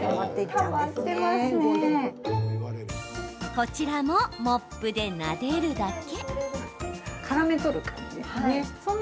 こちらもモップでなでるだけ。